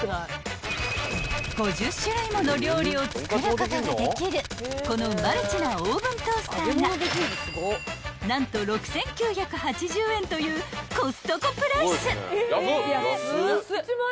［作ることができるこのマルチなオーブントースターが何と６，９８０円というコストコプライス］